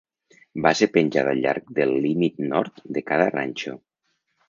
Va ser penjada al llarg del límit nord de cada ranxo.